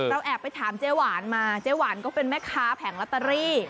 แอบไปถามเจ๊หวานมาเจ๊หวานก็เป็นแม่ค้าแผงลอตเตอรี่